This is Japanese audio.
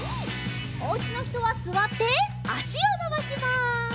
おうちのひとはすわってあしをのばします。